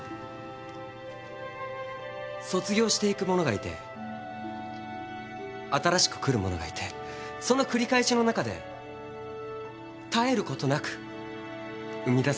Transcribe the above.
卒業していく者がいて新しく来る者がいてその繰り返しの中で絶えることなく生みだされる笑顔。